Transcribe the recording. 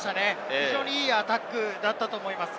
非常にいいアタックだったと思います。